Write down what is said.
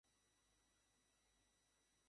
চমৎকার স্বর্ণের কাজ জানতো তারা।